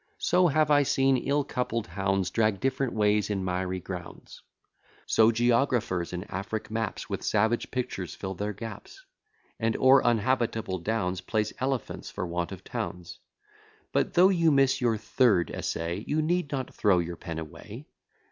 So have I seen ill coupled hounds Drag different ways in miry grounds. So geographers, in Afric maps, With savage pictures fill their gaps, And o'er unhabitable downs Place elephants for want of towns. But, though you miss your third essay, You need not throw your pen away.